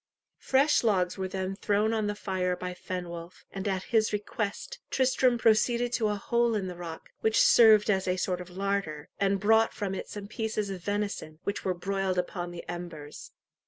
Fresh logs were then thrown on the fire by Fenwolf, and, at his request, Tristram proceeded to a hole in the rock, which served as a sort of larder, and brought from it some pieces of venison, which were broiled upon the embers.